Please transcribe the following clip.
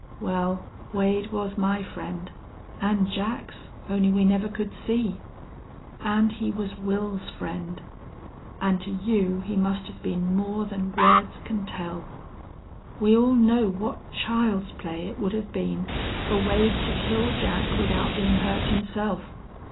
Wal, Wade was my friend, an' Jack's, only we never could see!... An' he was Wils's friend. An' to you he must have been more than words can tell.... We all know what child's play it would have been fer Wade to kill Jack without bein' hurt himself.